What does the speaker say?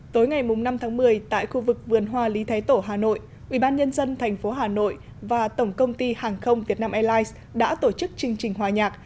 tối ngày năm tháng một mươi tại khu vực vườn hoa lý thái tổ hà nội ubnd tp hà nội và tổng công ty hàng không việt nam airlines đã tổ chức chương trình hòa nhạc